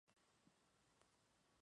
La sede de Canterbury estaba vacante.